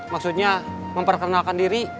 maksudnya memperkenalkan diri